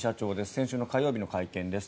先週の火曜日の会見です。